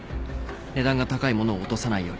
値段が高い物を落とさないように。